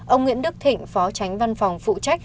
ông nguyễn đức thịnh phó tránh văn phòng phụ trách